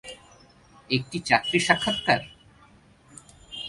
একটি চাকরির সাক্ষাৎকার?